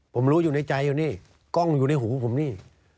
ผมรู้อยู่ในใจอยู่นี่กล้องอยู่ในหูผมนี่